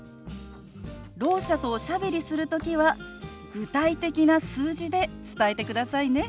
ろう者とおしゃべりする時は具体的な数字で伝えてくださいね。